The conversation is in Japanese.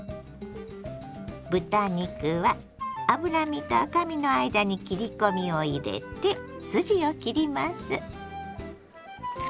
豚肉は脂身と赤身の間に切り込みを入れて筋を切ります。